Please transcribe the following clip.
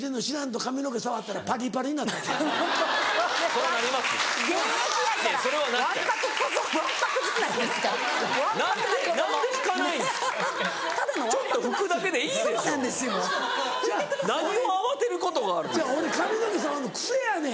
俺髪の毛触るの癖やねん。